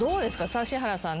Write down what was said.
指原さん。